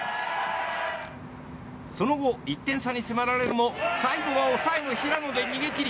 その後、１点差に迫られるも最後は抑えの平野で逃げ切り